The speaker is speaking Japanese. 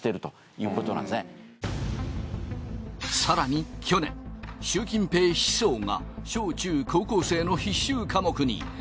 更に去年習近平思想が小中高校生の必修科目に。